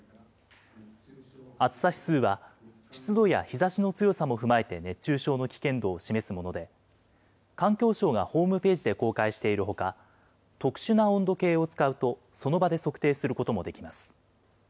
暑さ指数は、湿度や日ざしの強さも踏まえて熱中症の危険度を示すもので、環境省がホームページで公開しているほか、特殊な温度計を使うと、その場で測定することもできます。